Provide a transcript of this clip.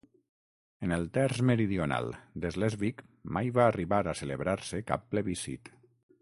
En el terç meridional de Slesvig mai va arribar a celebrar-se cap plebiscit.